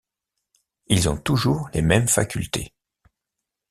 Ils ont toujours les mêmes facultés.